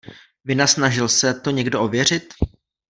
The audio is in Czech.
Vynasnažil se to někdo ověřit?